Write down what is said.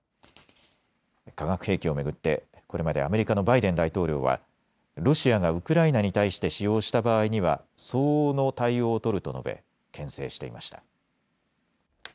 化学兵器を巡ってこれまでアメリカのバイデン大統領はロシアがウクライナに対して使用した場合には相応の対応を取ると述べ、けん制していました。